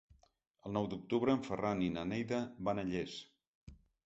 El nou d'octubre en Ferran i na Neida van a Llers.